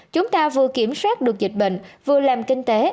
chúng ta vừa kiểm soát được dịch bệnh vừa làm kinh tế